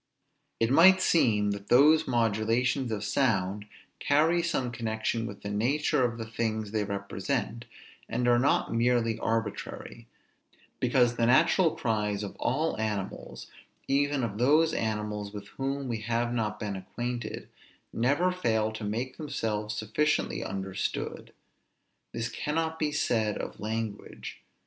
It might seem that those modulations of sound carry some connection with the nature of the things they represent, and are not merely arbitrary; because the natural cries of all animals, even of those animals with whom we have not been acquainted, never fail to make themselves sufficiently understood; this cannot be said of language.